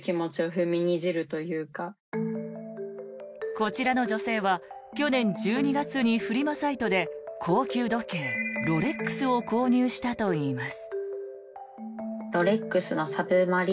こちらの女性は去年１２月にフリマサイトで高級時計ロレックスを購入したといいます。